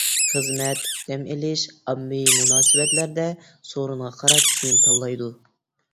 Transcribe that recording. خىزمەت، دەم ئېلىش، ئاممىۋى مۇناسىۋەتلەردە سورۇنغا قاراپ كىيىم تاللايدۇ.